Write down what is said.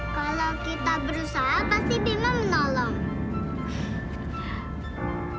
kalau kita berusaha pasti bingung menolong